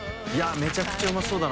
めちゃくちゃうまそうだな。